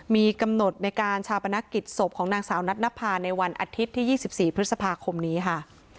มีกำหนดในการชาปนกิจศพของนางสาวนัทนภาในวันอาทิตย์ที่๒๔พฤษภาคมนี้ค่ะ